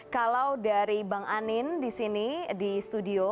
kalau dari bang anin di sini di studio